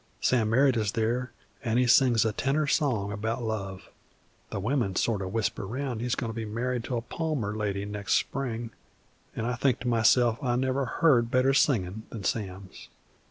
Sam Merritt is there, an' he sings a tenor song about love. The women sort of whisper round that he's goin' to be married to a Palmer lady nex' spring, an' I think to myself I never heard better singin' than Sam's.